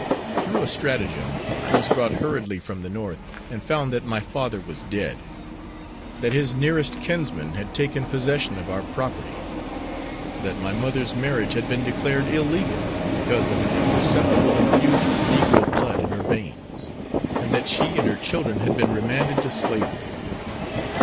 Through a stratagem, I was brought hurriedly from the North, and found that my father was dead; that his nearest kinsman had taken possession of our property; that my mother's marriage had been declared illegal, because of an imperceptible infusion of negro blood in her veins; and that she and her children had been remanded to slavery.